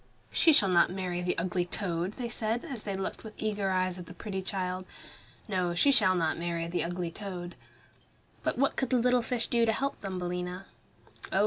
"She shall not marry the ugly toad," they said, as they looked with eager eyes at the pretty child. "No, she shall not marry the ugly toad." But what could the little fish do to help Thumbelina? Oh!